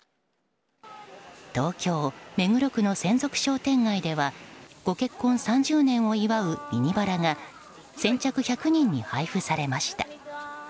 東京・目黒区の洗足商店街ではご結婚３０年を祝うミニバラが先着１００人に配布されました。